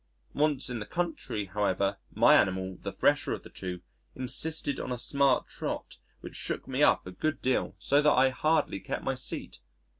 Once in the country, however, my animal, the fresher of the two, insisted on a smart trot which shook me up a good deal so that I hardly kept my seat.